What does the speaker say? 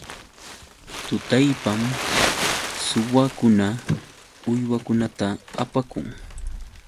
Tutallpam suwakuna uywakunata apakun.